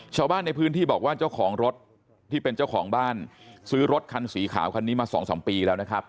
ชาวบ้านในพื้นที่บอกว่าเจ้าของรถที่เป็นเจ้าของบ้านซื้อรถคันสีขาวคันนี้มา๒๓ปีแล้วนะครับ